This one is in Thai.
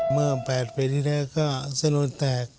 เมื่อ๘ปีที่แล้วก็เส้นรูนแตก